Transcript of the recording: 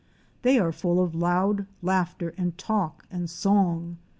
They are full of loud laughter and talk and song.